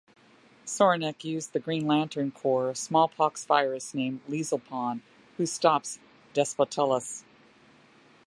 Soranik used the Green Lantern Corps smallpox virus named Leezle Pon, who stops Despotellis.